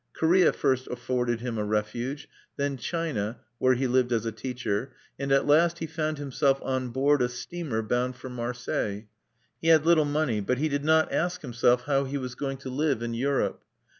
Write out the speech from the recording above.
Korea first afforded him a refuge; then China, where he lived as a teacher; and at last he found himself on board a steamer bound for Marseilles. He had little money; but he did not ask himself how he was going to live in Europe.